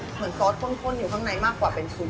เหมือนซอสพ่นอยู่ข้างในมากกว่าเป็นสูบ